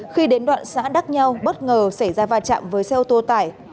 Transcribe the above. khi đến đoạn xã đắc nhau bất ngờ xảy ra va chạm với xe ô tô tải